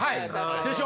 でしょ？